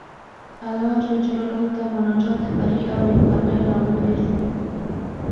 الله جل جلاله ته مناجات د بري او نېکمرغۍ لامل ګرځي.